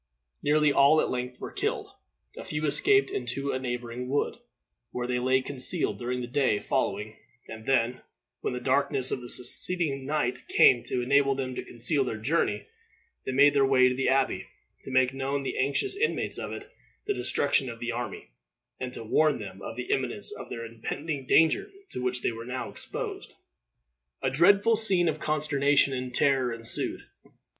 Nearly all at length were killed. A few escaped into a neighboring wood, where they lay concealed during the day following, and then, when the darkness of the succeeding night came to enable them to conceal their journey, they made their way to the abbey, to make known to the anxious inmates of it the destruction of the army, and to warn them of the imminence of the impending danger to which they were now exposed. A dreadful scene of consternation and terror ensued.